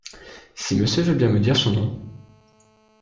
Si monsieur veut bien me dire son nom.